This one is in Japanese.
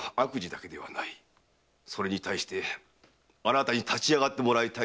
それに対しあなたに立ち上がってもらいたいと切に訴えている。